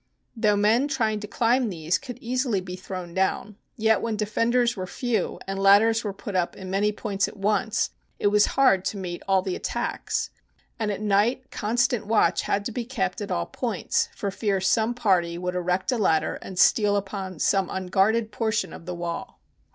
Though men trying to climb these could easily be thrown down, yet when defenders were few and ladders were put up in many points at once it was hard to meet all the attacks; and at [ 148] CONSTANTINOPLE night constant watch had to be kept at all points for fear some party would erect a ladder and steal upon some unguarded portion of the wall.